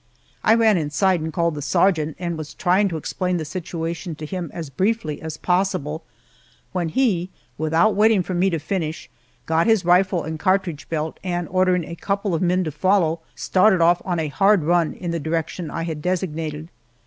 I ran inside and called the sergeant, and was trying to explain the situation to him as briefly as possible when he, without waiting for me to finish, got his rifle and cartridge belt, and ordering a couple of men to follow, started off on a hard run in the direction I had designated.